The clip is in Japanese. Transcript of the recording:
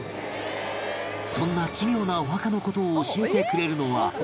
そんな奇妙なお墓の事を教えてくれるのは